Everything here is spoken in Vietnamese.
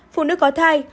phụ nữ có thai